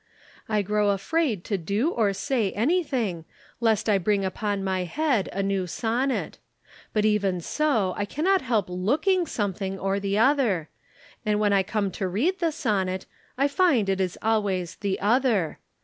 I grow afraid to do or say anything, lest I bring upon my head a new sonnet. But even so I cannot help looking something or the other; and when I come to read the sonnet I find it is always the other.